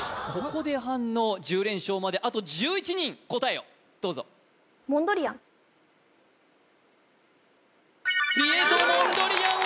ここで反応１０連勝まであと１１人答えをどうぞピエト・モンドリアン